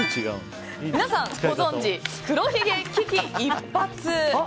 皆さんご存じ黒ひげ危機一髪。